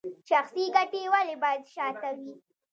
شخصي ګټې ولې باید شاته وي؟